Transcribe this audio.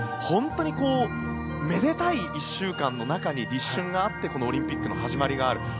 本当にめでたい１週間の中に立春があってこのオリンピックの始まりがある